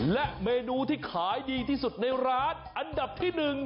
และเมนูที่ขายดีที่สุดในร้านอันดับที่๑